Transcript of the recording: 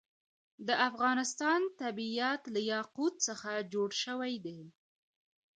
د افغانستان طبیعت له یاقوت څخه جوړ شوی دی.